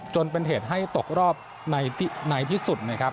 จนเป็นเหตุให้ตกรอบในที่สุดนะครับ